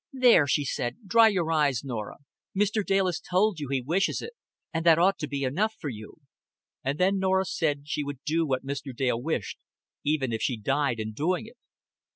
"There," she said, "dry your eyes, Norah. Mr. Dale has told you he wishes it, and that ought to be enough for you." And then Norah said she would do what Mr. Dale wished, even if she died in doing it.